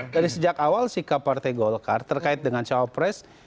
dari sejak awal sikap partai golkar terkait dengan cawapres